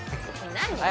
何？